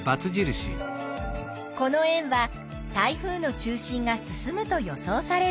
この円は台風の中心が進むと予想されるはん囲。